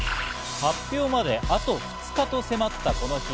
発表まであと２日と迫ったこの日。